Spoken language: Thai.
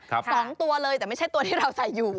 สองตัวเลยแต่ไม่ใช่ตัวที่เราใส่อยู่